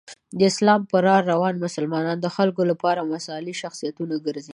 د اسلام په لاره روان مسلمانان د خلکو لپاره مثالي شخصیتونه ګرځي.